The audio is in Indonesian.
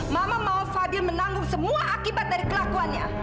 mama mau fadil menanggung semua akibat dari kelakuannya